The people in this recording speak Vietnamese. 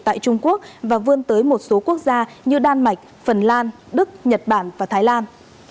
tại trung quốc và vươn tới một số quốc gia như đan mạch phần lan đức nhật bản và thái lan